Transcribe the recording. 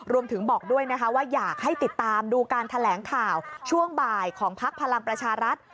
บอกด้วยนะคะว่าอยากให้ติดตามดูการแถลงข่าวช่วงบ่ายของพักพลังประชารัฐ